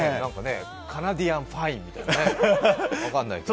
カナディアンファインみたいなね。